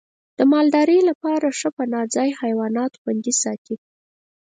د مالدارۍ لپاره ښه پناه ځای حیوانات خوندي ساتي.